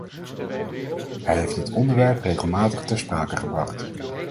Hij heeft dit onderwerp regelmatig ter sprake gebracht.